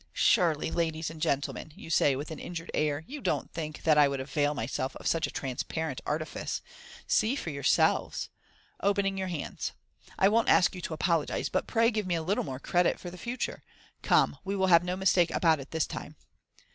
" Surely, ladies and gentlemen," you say, with an injured air, "you don't think that I would avail myself of such a transparent artifice. See for yourselves !" opening your hands. u I won't ask you to apologize, but pray give me a little more credit for the future. Come, we will have no mistake about it this time.'